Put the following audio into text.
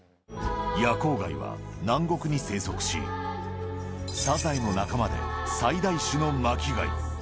夜光貝は、南国に生息し、サザエの仲間で最大種の巻き貝。